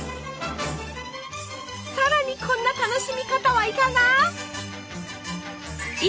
さらにこんな楽しみ方はいかが？